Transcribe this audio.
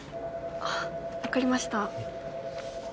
あ分かりました。